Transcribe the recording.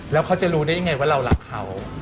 แล้วเขาจะรู้ได้ยังไงว่าเรารักเขา